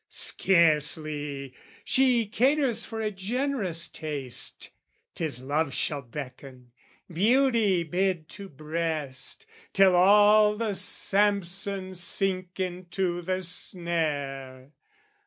Scarcely! She caters for a generous taste. 'Tis love shall beckon, beauty bid to breast, Till all the Samson sink into the snare!